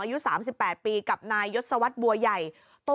อายุ๓๘ปีกับนายยศวรรษบัวใหญ่